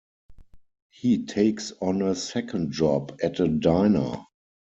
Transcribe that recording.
He takes on a second job at a diner.